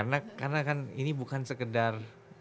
karena kan ini bukan sekedar